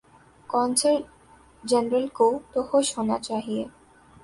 قونصل جنرل کو تو خوش ہونا چاہیے۔